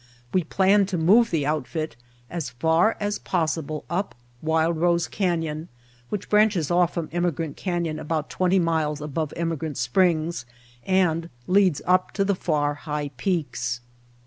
Wc planned to move the outfit as far as possible up Wild Rose Canyon which branches off from Emigrant Canyon about The Mountain Spring twenty miles above Emigrant Springs and leads up to the far, high peaks.